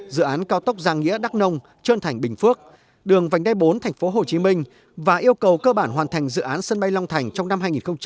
dự án cao tốc giang nghĩa đắc nông trơn thành bình phước đường vành đe bốn tp hcm và yêu cầu cơ bản hoàn thành dự án sân bay long thành trong năm hai nghìn hai mươi